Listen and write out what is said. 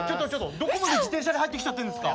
どこまで自転車で入ってきちゃってんですか。